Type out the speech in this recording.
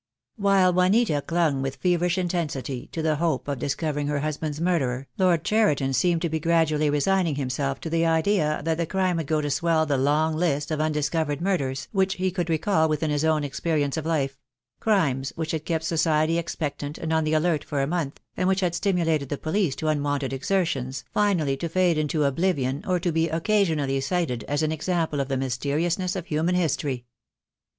While Juanita clung with feverish intensity to the hope of discovering her husband's murderer Lord Cheriton seemed to be gradually resigning himself to the idea that the crime would go to swell the long list of un discovered murders which he could recall within his own experience of life — crimes which had kept society ex pectant and on the alert for a month, and which had stimulated the police to unwonted exertions, finally to fade into oblivion, or to be occasionally cited as an example of the mysteriousness of human history.